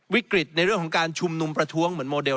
วิกฤตในเรื่องของการชุมนุมประท้วงเหมือนโมเดล